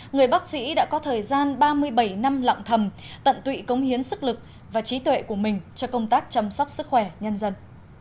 người bác sĩ đã có thời gian ba mươi bảy năm lặng thầm tận tụy cống hiến sức lực và trí tuệ của mình cho công tác chăm sóc sức khỏe nhân dân